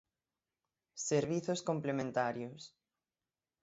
Servizos complementarios.